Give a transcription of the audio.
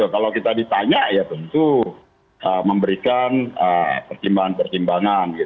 kalau kita ditanya ya tentu memberikan pertimbangan pertimbangan